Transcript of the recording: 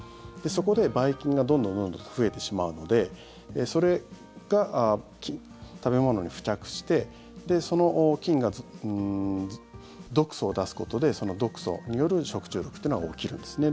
そこで、ばい菌がどんどん増えてしまうのでそれが食べ物に付着してその菌が毒素を出すことで毒素による食中毒っていうのが起きるんです。